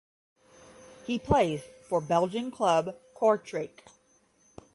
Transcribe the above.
He plays for Belgian club Kortrijk.